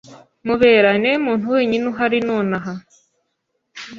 Mubera niwe muntu wenyine uhari nonaha.